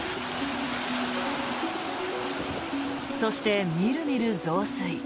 そして、みるみる増水。